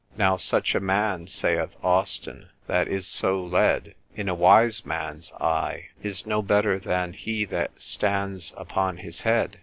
Now such a man (saith Austin) that is so led, in a wise man's eye, is no better than he that stands upon his head.